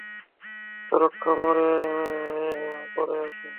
দ্বোরকা মরে পরে আছে!